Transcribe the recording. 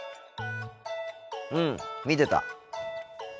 うん見てた。